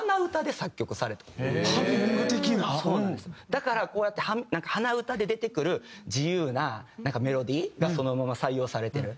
だからこうやってなんか鼻歌で出てくる自由なメロディーがそのまま採用されてる。